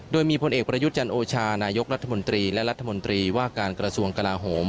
โดยมีพลเอกประยุทธ์จันโอชานายกรัฐมนตรีและรัฐมนตรีว่าการกระทรวงกลาโหม